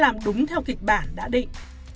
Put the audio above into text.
làm đúng theo kịch bản đã định